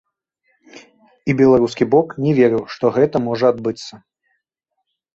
І беларускі бок не верыў, што гэта можа адбыцца.